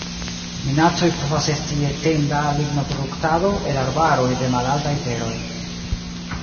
Minacoj povas esti etenda lignoproduktado el arbaroj de malaltaj teroj.